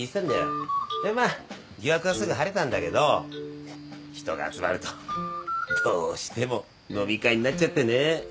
でまあ疑惑はすぐ晴れたんだけど人が集まるとどうしても飲み会になっちゃってね。